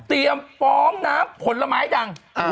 เตรียมปลอมน้ำผลไม้ดัง